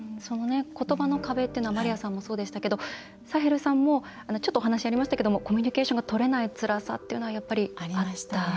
ことばの壁っていうのはマリアさんもそうでしたけどサヘルさんもお話がありましたがコミュニケーションがとれないつらさというのはありましたか？